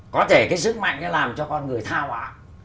có thể cái sức mạnh nó làm cho con người tha hóa